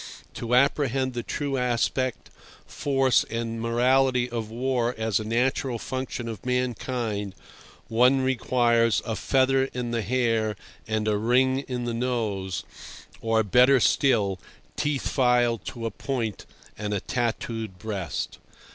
To apprehend the true aspect, force, and morality of war as a natural function of mankind one requires a feather in the hair and a ring in the nose, or, better still, teeth filed to a point and a tattooed breast.